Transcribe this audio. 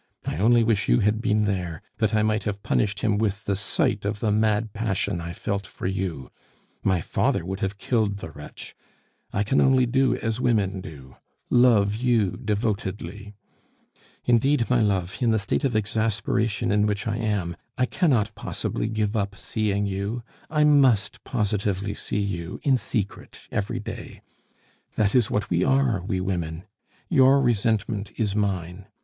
I only wish you had been there, that I might have punished him with the sight of the mad passion I felt for you. My father would have killed the wretch; I can only do as women do love you devotedly! Indeed, my love, in the state of exasperation in which I am, I cannot possibly give up seeing you. I must positively see you, in secret, every day! That is what we are, we women. Your resentment is mine.